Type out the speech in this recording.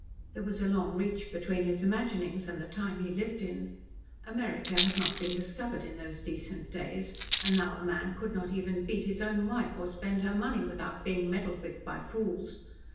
There was a long reach between his imaginings and the time he lived in. America had not been discovered in those decent days, and now a man could not beat even his own wife, or spend her money, without being meddled with by fools.